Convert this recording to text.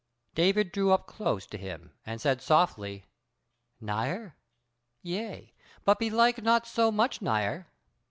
David drew up close to him, and said softly: "Nigher? Yea, but belike not so much nigher."